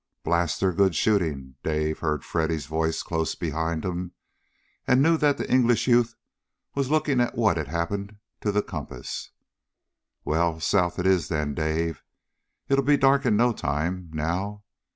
"Blast their good shooting!" Dave heard Freddy's voice close behind him, and knew that the English youth was looking at what had happened to the compass. "Well, south it is then, Dave. It'll be dark in no time, now.